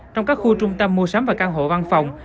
trong các khu trung tâm mua sắm và căn hộ văn phòng